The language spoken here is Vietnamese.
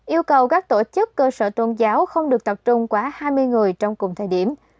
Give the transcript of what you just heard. yêu cầu các tổ chức cơ sở tôn giáo không được tập trung quá hai mươi người trong cùng thời điểm